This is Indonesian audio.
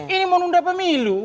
ini mau nunda pemilu